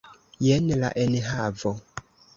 Jen la enhavo!